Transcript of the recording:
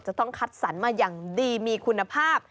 จะต้องคัดสรรมาอย่างดีมีคุณภาพ